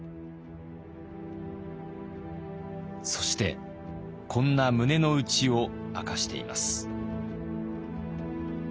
そしてこんな胸の内を明かしています。